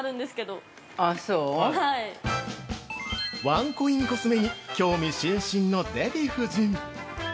◆ワンコインコスメに興味津々のデヴィ夫人。